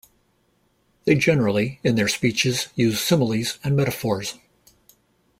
They generally in their Speeches use Similies and Metaphors.